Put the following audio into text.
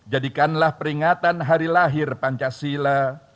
jadikanlah peringatan hari lahir pancasila